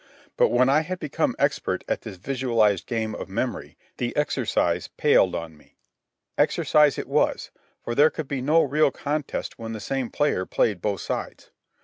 But when I had become expert at this visualized game of memory the exercise palled on me. Exercise it was, for there could be no real contest when the same player played both sides.